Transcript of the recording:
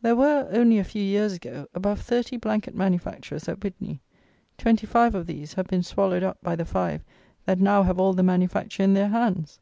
There were, only a few years ago, above thirty blanket manufacturers at Witney: twenty five of these have been swallowed up by the five that now have all the manufacture in their hands!